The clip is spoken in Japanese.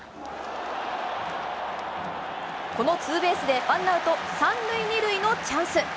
このツーベースでワンアウト３塁２塁のチャンス。